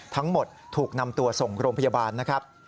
ทั้งหมดถูกนำตัวส่งโรงพยาบาลนะครับ